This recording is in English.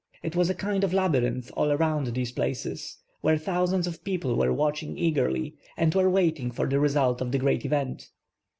It was a kind of labyrinth all around these places, where thousands of people were watch ing eagerly, and were waiting for the results of the great event.